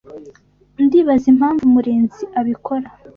Ndibaza impamvu Murinzi abikora.